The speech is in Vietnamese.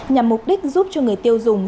nhằm mục đích giúp cho người tiêu dùng